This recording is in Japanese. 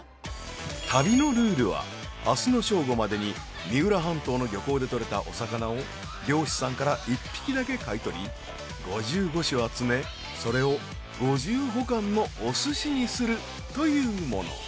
旅のルールは明日の正午までに三浦半島の漁港で獲れたお魚を漁師さんから１匹だけ買い取り５５種集めそれを５５貫のお寿司にするというもの。